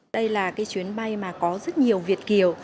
đây là cái chuyến bay mà có rất nhiều việt kiều